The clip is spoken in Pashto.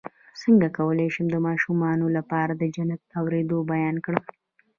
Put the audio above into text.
څنګه کولی شم د ماشومانو لپاره د جنت د اوریدلو بیان کړم